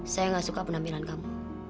saya gak suka penampilan kamu